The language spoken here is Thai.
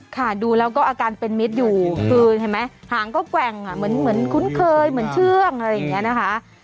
ค่ะดูแล้วก็อาการเป็นมิตรอยู่คือเห็นไหมหางก็แกว่งอ่ะเหมือนคุ้นเคยเหมือนเชื่องอะไรอย่างนี้นะคะ